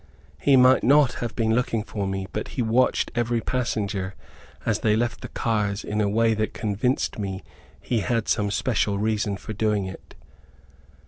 He might not have been looking for me, but he watched every passenger as they left the cars in a way that convinced me he had some special reason for doing it.